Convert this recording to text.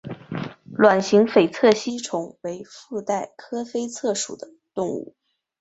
卵形菲策吸虫为腹袋科菲策属的动物。